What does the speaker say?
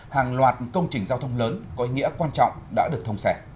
hàng loạt công trình giao thông lớn có ý nghĩa quan trọng đã được thông sẻ